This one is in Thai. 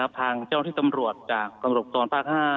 ทางเจ้าที่ตำรวจไปจากธนโรคกรณ์ฐาตร์๕